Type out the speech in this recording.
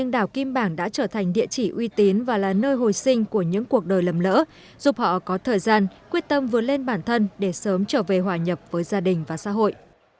đảo kim bảng đã trở thành địa chỉ uy tín và là nơi hồi sinh của những cuộc đời lầm lỡ giúp họ có thời gian quyết tâm vươn lên bản thân để sớm trở về hòa nhập với gia đình và xã hội